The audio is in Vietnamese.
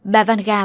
bà vanga đã trở về